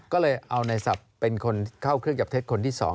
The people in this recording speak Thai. ก็เลยเอาในศัพท์เป็นคนเข้าเครื่องจับเท็จคนที่๒